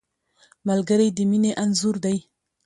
ملګری د مینې انځور دی